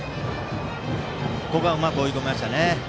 ここはうまく追い込みましたね。